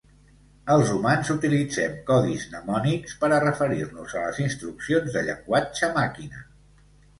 Els humans utilitzem codis mnemònics per a referir-nos a les instruccions de llenguatge màquina.